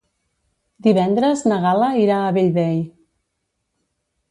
Divendres na Gal·la irà a Bellvei.